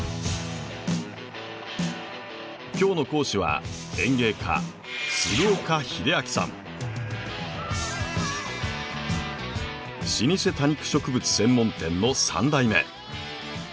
今日の講師は老舗多肉植物専門店の３代目。